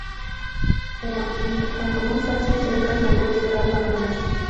Cuanto más fácil sea entrar, mayor será la amenaza.